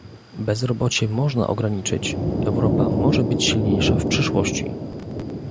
Bezrobocie można ograniczyć, Europa może być silniejsza w przyszłości